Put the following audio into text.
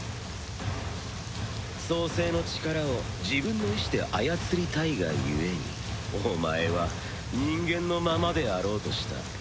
創世の力を自分の意志で操りたいが故にお前は人間のままであろうとした。